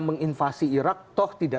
menginvasi irak toh tidak